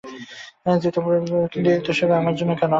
কিন্তু, এত সেবা আমার জন্যে কেন?